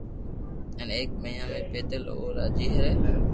ھين ايڪ مھينا ۾ پيدل او راجي ري